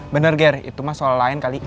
bener gr itu mah soal lain kali